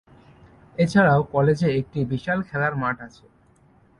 এছাড়াও কলেজে একটি বিশাল খেলার মাঠ আছে।